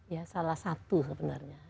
ya salah satu sebenarnya